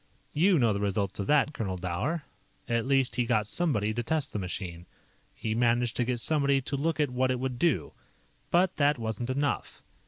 "You know the results of that, Colonel Dower. At least he got somebody to test the machine. He managed to get somebody to look at what it would do. "But that wasn't enough.